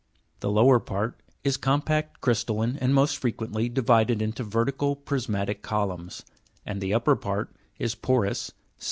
The lower part is compact, crystalline, and most frequently divided into vertical prismatic columns (fig 275) ; and the upper part is porous, eel Figt w&.